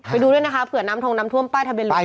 ไปดูด้วยนะคะเผื่อน้ำทงน้ำท่วมป้ายทะเบียเลย